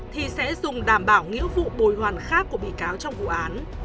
thì sẽ dùng đảm bảo nghĩa vụ bồi hoàn khác của bị cáo trong vụ án